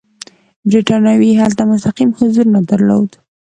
برېټانویانو هلته مستقیم حضور نه درلود.